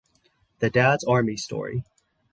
The Dad's Army Story.